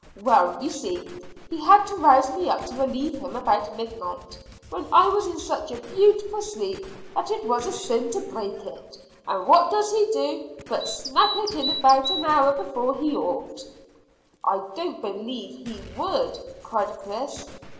"Well, you see, he had to rouse me up to relieve him about midnight, when I was in such a beautiful sleep that it was a sin to break it, and what does he do but snap it in two about an hour before he ought." "I don't believe he would," cried Chris.